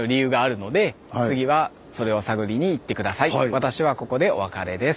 私はここでお別れです。